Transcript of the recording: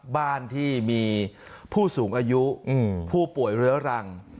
บ้านที่มีผู้สูงอายุผู้ป่วยเรื้อรัง